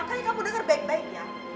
makanya kamu dengar baik baiknya